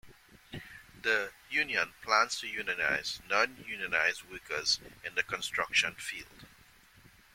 The union plans to unionize non-unionized workers in the construction field.